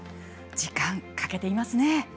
時間かけていますね。